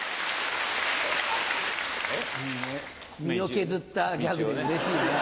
身を削ったギャグでうれしいね。